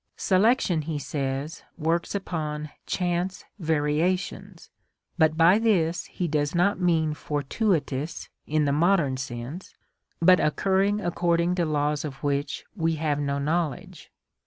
Selection, he says, works upon "chance" variations, but by this he does not mean fortuitous in the modern sense, but occurring according to laws of which we have no knowledge.